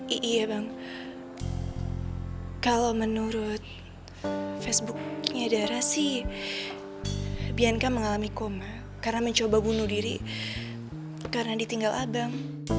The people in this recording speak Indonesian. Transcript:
iya bang kalau menurut facebooknya dara sih bianka mengalami koma karena mencoba bunuh diri karena ditinggal abang